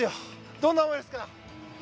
どんな思いですか？